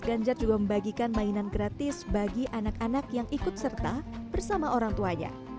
ganjar juga membagikan mainan gratis bagi anak anak yang ikut serta bersama orang tuanya